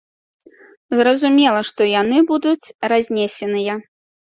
Зразумела, што яны будуць разнесеныя.